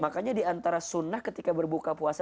makanya diantara sunnah ketika berbuka puasa